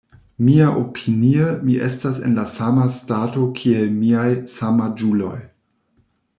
Miaopinie, mi estas en la sama stato kiel miaj samaĝuloj.